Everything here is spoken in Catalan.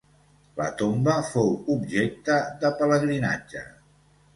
La tomba fou objecte de pelegrinatge.